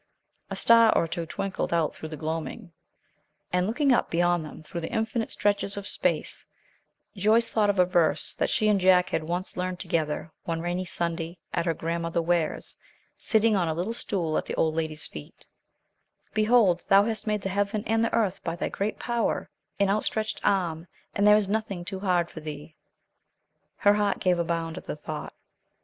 A star or two twinkled out through the gloaming, and, looking up beyond them through the infinite stretches of space, Joyce thought of a verse that she and Jack had once learned together, one rainy Sunday at her Grandmother Ware's, sitting on a little stool at the old lady's feet: "Behold thou hast made the heaven and the earth by thy great power and outstretched arm, and there is nothing too hard for thee." Her heart gave a bound at the thought.